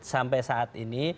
sampai saat ini